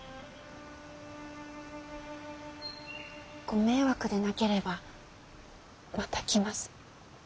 ご迷惑でなければまた来ます。